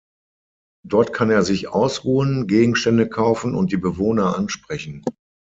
Dort kann er sich ausruhen, Gegenstände kaufen und die Bewohner ansprechen.